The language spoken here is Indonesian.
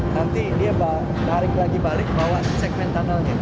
nanti dia tarik lagi balik bawa segmen tunnelnya